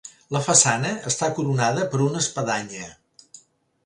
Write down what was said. La façana està coronada per una espadanya.